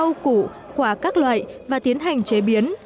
mua thịt bò cùng rau củ quả các loại và tiến hành chế biến